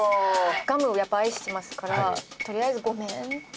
ガムをやっぱり愛してますからとりあえずごめんって。